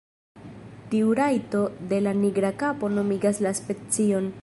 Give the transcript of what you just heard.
Tiu trajto de la nigra kapo nomigas la specion.